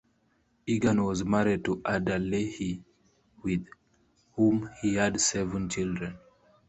Egan was married to Ada Leahy with whom he had seven children.